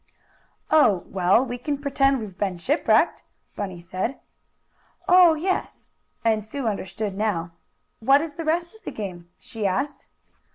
"Oh, well, we can pretend we've been shipwrecked," Bunny said. "Oh, yes!" and Sue understood now. "What is the rest of the game?" she asked.